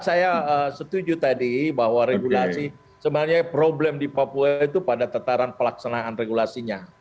saya setuju tadi bahwa regulasi sebenarnya problem di papua itu pada tataran pelaksanaan regulasinya